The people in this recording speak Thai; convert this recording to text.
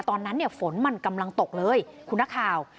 ตอนนั้นฝนมันกำลังตกเลยคุณนักข่าว